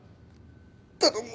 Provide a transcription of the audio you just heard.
頼む。